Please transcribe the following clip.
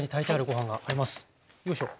よいしょ。